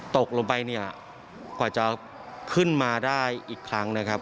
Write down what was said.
ตกลงไปเนี่ยกว่าจะขึ้นมาได้อีกครั้งนะครับ